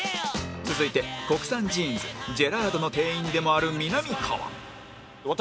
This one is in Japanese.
続いて国産ジーンズジェラードの店員でもあるみなみかわ